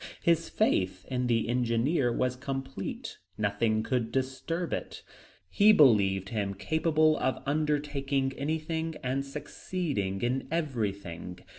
His faith in the engineer was complete; nothing could disturb it. He believed him capable of undertaking anything and succeeding in everything.